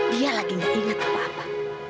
dia lagi gak ingat apa apa